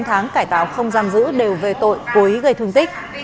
bốn tháng cải tạo không giam giữ đều về tội cố ý gây thương tích